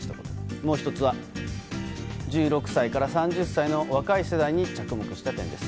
もう１つは１６歳から３０歳の若い世代に着目した点です。